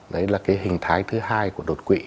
đấy là cái hình thái thứ hai của đột quỵ